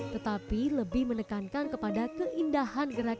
tetapi lebih menekankan kepada keindahan gerakannya